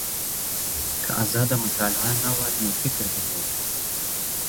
که ازاده مطالعه نه وای نو فکر به نه و.